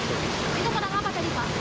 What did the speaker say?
itu barang apa tadi pak